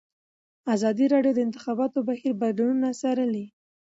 ازادي راډیو د د انتخاباتو بهیر بدلونونه څارلي.